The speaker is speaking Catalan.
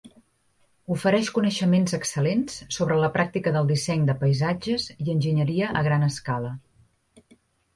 Ofereix coneixements excel·lents sobre la pràctica del disseny de paisatges i enginyeria a gran escala.